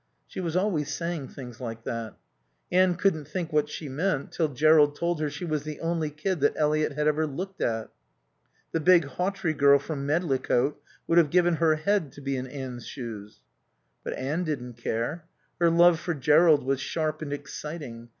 She was always saying things like that. Anne couldn't think what she meant till Jerrold told her she was the only kid that Eliot had ever looked at. The big Hawtrey girl from Medlicote would have given her head to be in Anne's shoes. But Anne didn't care. Her love for Jerrold was sharp and exciting.